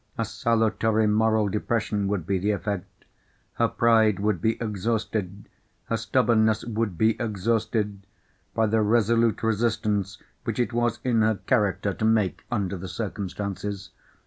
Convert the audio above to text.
A salutary moral depression would be the effect. Her pride would be exhausted, her stubbornness would be exhausted, by the resolute resistance which it was in her character to make under the circumstances.